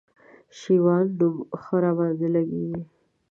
شېوان نوم ښه راباندي لګېږي